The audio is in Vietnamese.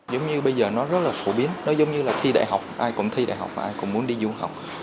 giống như bây giờ nó rất là phổ biến nó giống như là thi đại học ai cũng thi đại học ai cũng muốn đi du học